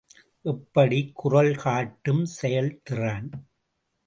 எப்படி குறள் காட்டும் செயல்திறன்?